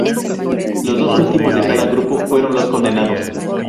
Los dos últimos de cada grupo fueron los condenados.